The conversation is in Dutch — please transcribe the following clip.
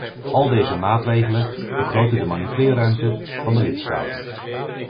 Al deze maatregelen vergroten de manoeuvreerruimte van de lidstaten.